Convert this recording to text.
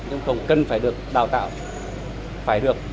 nhưng không cần phải được đào tạo phải được